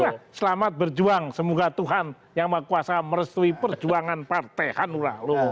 nah selamat berjuang semoga tuhan yang mengkuasa merestui perjuangan partai hanura